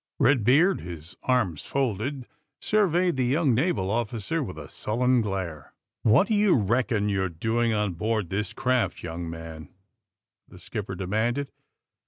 Redbeard, his arms folded, surveyed the yonng naval officer with a sullen glare. '^What do you reckon you're doing on board this craft, young man 1 '' the skipper demanded.